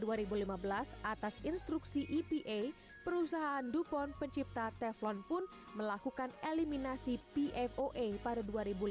dikutip dari website resminya pada dua ribu lima belas atas instruksi epa perusahaan dupont pencipta teflon pun melakukan eliminasi pfoa pada dua ribu lima belas